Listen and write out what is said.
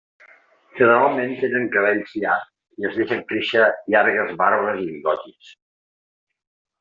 Generalment tenen cabells llargs i es deixen créixer llargues barbes i bigotis.